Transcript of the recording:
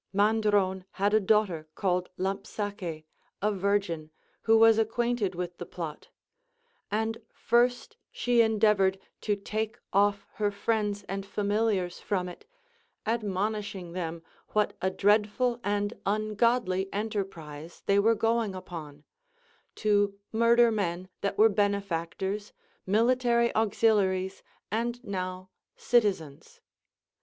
Mandron had a daughter called Lampsace, a virgin, who was acquainted Λvith the plot ; and first she endeavored to take off her friends and familiars from it, admonishing them what a dreadful and ungodly enterprise they were going upon, — to murder men that were benefactors, military auxiliaries, and now citizens.